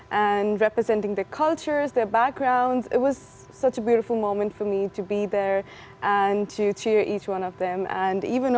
dan memperkenalkan kultur mereka latar belakang mereka itu adalah saat yang sangat indah bagi saya untuk berada di sana dan memuji mereka